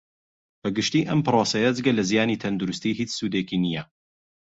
بە گشتی ئەم پڕۆسەیە جگە لە زیانی تەندروستی ھیچ سودێکی نییە